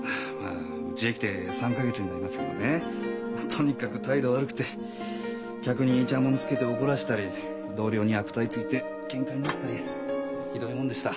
うちへ来て３か月になりますけどねとにかく態度悪くて客にイチャモンつけて怒らしたり同僚に悪態ついてケンカになったりひどいもんでした。